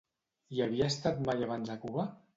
Hi havia estat mai abans a Cuba?